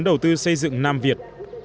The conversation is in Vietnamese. đơn vị tư vấn đầu tư xây dựng nam việt